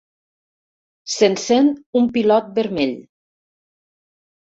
S'encén un pilot vermell.